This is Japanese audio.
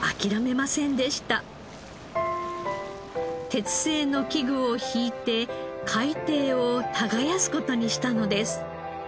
鉄製の器具を引いて海底を耕す事にしたのです。